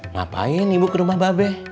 ngapain ibu ke rumah babe